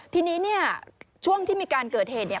ทีนี้เนี่ยช่วงที่มีการเกิดเหตุเนี่ย